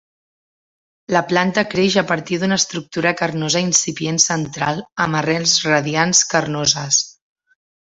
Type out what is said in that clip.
La planta creix a partir d'una estructura carnosa incipient central amb arrels radiants carnoses.